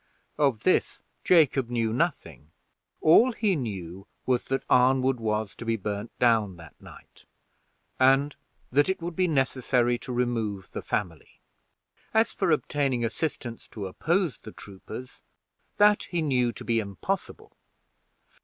Of this Jacob knew nothing; all he knew was, that Arnwood was to be burned down that night, and that it would be necessary to remove the family. As for obtaining assistance to oppose the troopers, that he knew to be impossible.